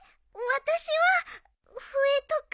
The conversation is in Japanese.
私は笛とか？